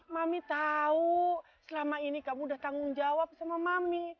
mami tahu selama ini kamu udah tanggung jawab sama mami